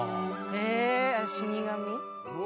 へぇ死神？